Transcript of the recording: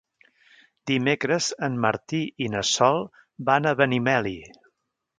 Dimecres en Martí i na Sol van a Benimeli.